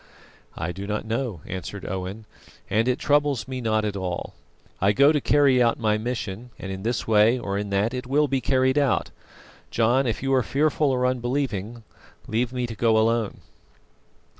"I do not know," answered Owen, "and it troubles me not at all. I go to carry out my mission, and in this way or in that it will be carried out. John, if you are fearful or unbelieving leave me to go alone."